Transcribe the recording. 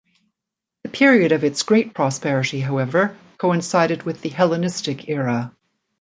The period of its great prosperity, however, coincided with the Hellenistic era.